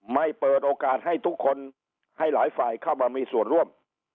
เปิดโอกาสให้ทุกคนให้หลายฝ่ายเข้ามามีส่วนร่วม